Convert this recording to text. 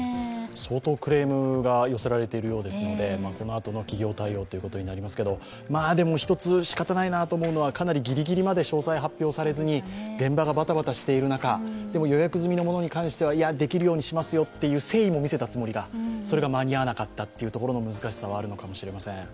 相当、クレームが寄せられているようですのでこのあとの企業対応ということになりますけれども、一つしかたないなというのはかなりギリギリまで詳細が発表されずに現場がバタバタしている中、でも予約済みのものに関してはできるようにしますよっていう誠意も見せた中それが間に合わなかったところの難しさはあるのかもしれません。